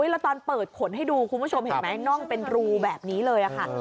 แล้วตอนเปิดขนให้ดูคุณผู้ชมเห็นไหมน่องเป็นรูแบบนี้เลยค่ะ